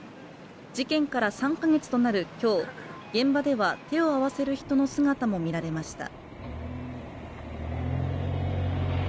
事件から３か月となる今日、現場では手を合わせる人の姿も見られました。